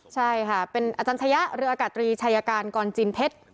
ใช่ค่ะเป็นอาจารย์ชะยะเรืออากาศตรีชายการกรจินเพชร